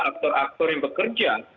aktor aktor yang bekerja